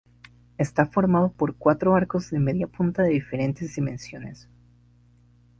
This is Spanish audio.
Está formado por cuatro arcos de media punta de diferentes dimensiones.